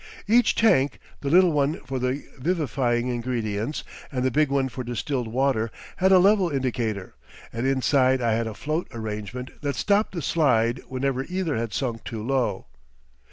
Each tank, the little one for the vivifying ingredients and the big one for distilled water, had a level indicator, and inside I had a float arrangement that stopped the slide whenever either had sunk too low.